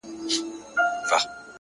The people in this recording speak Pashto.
زه خو يو خوار او يو بې وسه انسان-